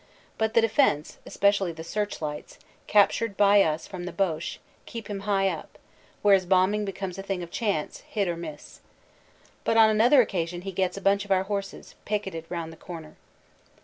But the defense, especially the search lights, captured by us from the Boche, keep him high up, where his bombing becomes a thing of chance, hit or miss. But on another occasion he gets a bunch of our horses, picketed round the corner.